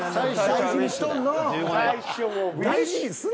大事にすな！